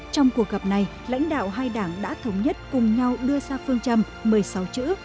trong cuộc gặp này lãnh đạo hai đảng đã thống nhất cùng nhau đưa ra phương châm một mươi sáu chữ